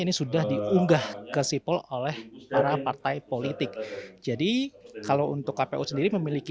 ini sudah diunggah ke sipol oleh para partai politik jadi kalau untuk kpu sendiri memiliki